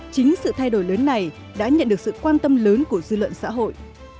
chính sự thay đổi lớn này đã nhận được sự quan tâm lớn của dư luận xã hội